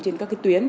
trên các tuyến